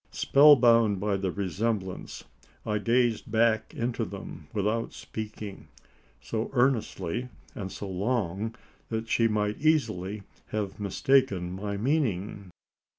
Spell bound by the resemblance, I gazed back into them without speaking so earnestly and so long, that she might easily have mistaken my meaning.